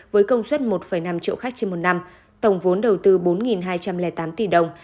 với công suất một năm triệu khách trên một năm tổng vốn đầu tư bốn hai trăm linh tám tỷ đồng